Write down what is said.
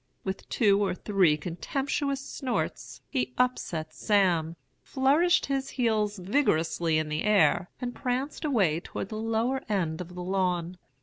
With two or three contemptuous snorts he upset Sam, flourished his heels vigorously in the air, and pranced away toward the lower end of the lawn.